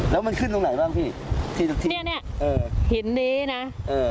แล้วมันขึ้นตรงไหนบ้างพี่ที่ตรงที่เนี้ยเนี้ยเนี้ยเออหินนี้นะเออ